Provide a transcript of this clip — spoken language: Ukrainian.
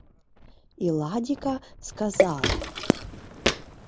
Іладіка сказала: